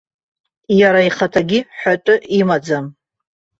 Иара ихаҭагьы ҳәатәы имаӡам.